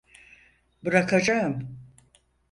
Bırakacağım.